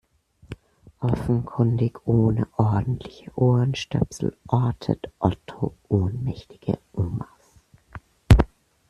Offenkundig ohne ordentliche Ohrenstöpsel ortet Otto ohnmächtige Omas.